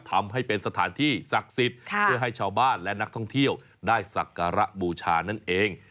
ทำให้เป็นสถานที่ศักดิ์สิทธิ์เพื่อให้ชาวบ้านและนักท่องเที่ยวได้สักการะบูชานั่นเอง